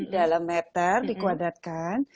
dalam meter dikuadratkan